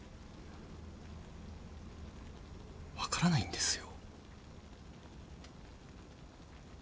分からないんですよ。